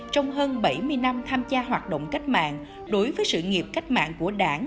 trong hơn bảy mươi năm tham gia hoạt động cách mạng đối với sự nghiệp cách mạng của đảng